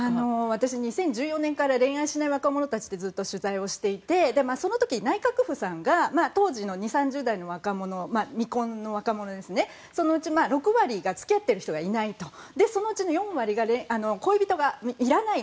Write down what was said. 私、２０１４年から恋愛しない若者たちってずっと取材をしていてその時、内閣府さんが当時の２０３０代の未婚の若者のうち６割が付き合ってる人がいないそのうち４割が恋人がいらない